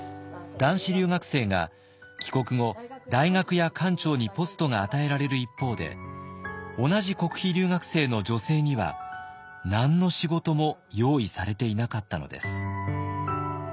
男子留学生が帰国後大学や官庁にポストが与えられる一方で同じ国費留学生の女性には何の仕事も用意されていなかったのです。